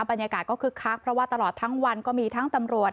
บรรยากาศก็คึกคักเพราะว่าตลอดทั้งวันก็มีทั้งตำรวจ